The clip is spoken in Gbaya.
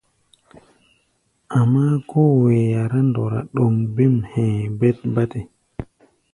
Amáá, kóo hɛ̧ɛ̧ yará ndɔra ɗoŋ bêm hɛ̧ɛ̧ bátɛ.